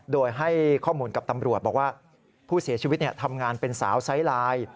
โดยให้ข้อมูลกับตำรวจบอกว่าผู้เสียชีวิตทำงานเป็นสาวไซส์ไลน์